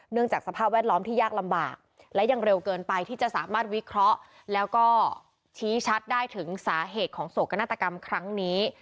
จากสภาพแวดล้อมที่ยากลำบากและยังเร็วเกินไปที่จะสามารถวิเคราะห์แล้วก็ชี้ชัดได้ถึงสาเหตุของโศกนาฏกรรมครั้งนี้